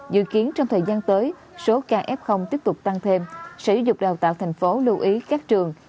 dự kiến trong thời gian tới số ca ép không tiếp tục tăng thêm sẽ giúp đào tạo thành phố lưu ý các trường